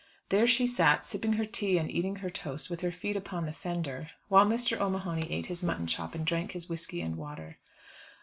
There she sat, sipping her tea and eating her toast, with her feet upon the fender, while Mr. O'Mahony ate his mutton chop and drank his whisky and water.